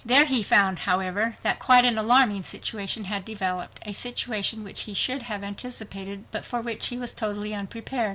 There he found, however, that quite an alarming situation had developed—a situation which he Should have anticipated, but for which he was totally unprepared.